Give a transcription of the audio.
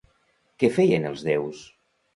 Què feien els déus?